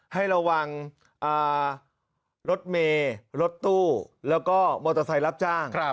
ให้ระวังรถเมย์รถตู้แล้วก็มอเตอร์ไซค์รับจ้าง